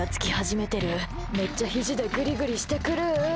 めっちゃひじでグリグリしてくるー！